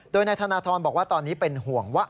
โดยนายธนทรบอกว่าตอนนี้เป็นห่วงว่า